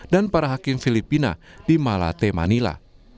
dan para hakim filipina di malate manila